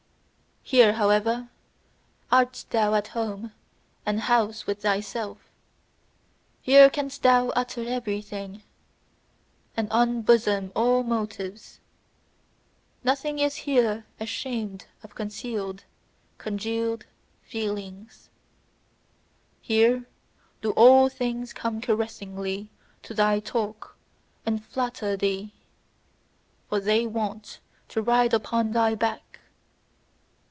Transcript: Here, however, art thou at home and house with thyself; here canst thou utter everything, and unbosom all motives; nothing is here ashamed of concealed, congealed feelings. Here do all things come caressingly to thy talk and flatter thee: for they want to ride upon thy back.